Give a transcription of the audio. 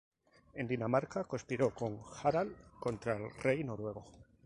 En Dinamarca conspiró con Harald contra el rey noruego.